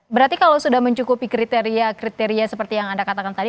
berarti kalau sudah mencukupi kriteria kriteria seperti yang anda katakan tadi